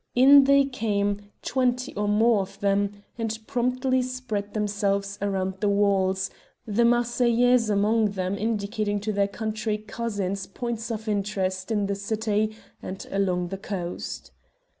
In they came, twenty or more of them, and promptly spread themselves around the walls, the Marseillais amongst them indicating to their country cousins points of interest in the city and along the coast.